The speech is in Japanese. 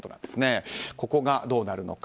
ここがどうなるのか。